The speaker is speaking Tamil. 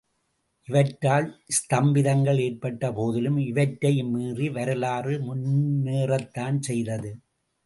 இவற்றால் ஸ்தம்பிதங்கள் ஏற்பட்டபோதிலும் இவற்றையும் மீறி வரலாறு முன்னேறத்தான் செய்தது.